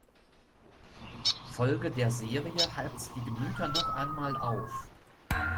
Folge der Serie heizt die Gemüter noch einmal auf.